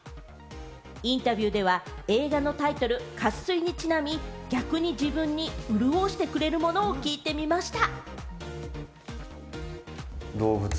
インタビューでは、映画のタイトル『渇水』にちなみ、逆に自分を潤してくれるものを聞いてみました。